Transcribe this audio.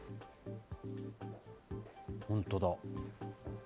本当だ。